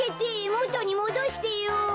もとにもどしてよ。